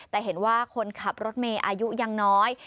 แต่เห็นว่าคนขับรถเมย์อายุยังน้อย